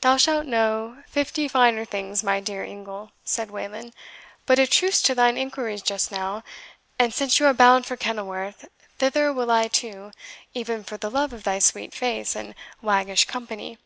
"Thou shalt know fifty finer things, my dear ingle," said Wayland; "but a truce to thine inquiries just now. And since you are bound for Kenilworth, thither will I too, even for the love of thy sweet face and waggish company."